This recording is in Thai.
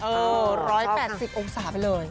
๑๘๐องศาไปเลย